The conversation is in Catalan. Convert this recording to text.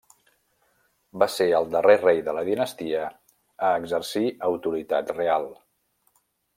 Va ser el darrer rei de la dinastia a exercir autoritat real.